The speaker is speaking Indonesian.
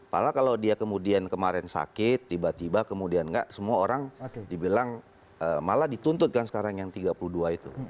malah kalau dia kemudian kemarin sakit tiba tiba kemudian enggak semua orang dibilang malah dituntut kan sekarang yang tiga puluh dua itu